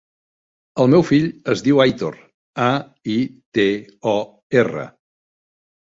El meu fill es diu Aitor: a, i, te, o, erra.